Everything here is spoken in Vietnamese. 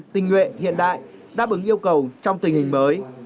tình nguyện hiện đại đáp ứng yêu cầu trong tình hình mới